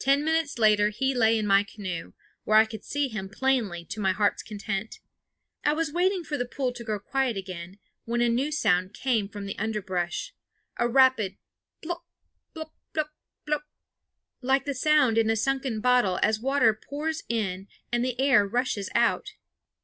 Ten minutes later he lay in my canoe, where I could see him plainly to my heart's content. I was waiting for the pool to grow quiet again, when a new sound came from the underbrush, a rapid plop, lop, lop, lop, lop, like the sound in a sunken bottle as water pours in and the air rushes out.